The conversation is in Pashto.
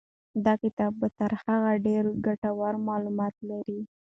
دا کتاب تر هغه بل ډېر ګټور معلومات لري.